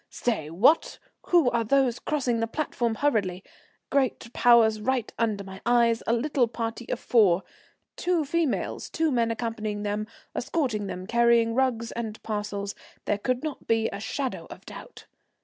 Stay! What? Who are those crossing the platform hurriedly. Great powers! Right under my eyes, a little party of four, two females, two men accompanying them, escorting them, carrying rugs and parcels. There could not be a shadow of doubt.